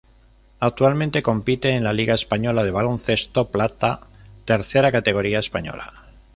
Actualmente compite en la Liga Española de Baloncesto Plata, tercera categoría española.